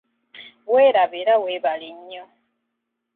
Weeraba era weebale nnyo.